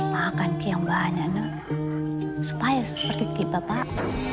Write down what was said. makan kian banyak supaya seperti kita pak